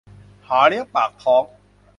หาเลี้ยงปากท้อง